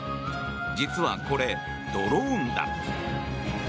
実はこれ、ドローンだ。